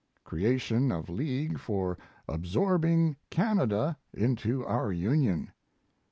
Creation of league for absorbing Canada into our Union.